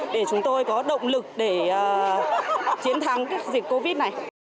để chúng tôi có động lực để chiến thắng dịch covid này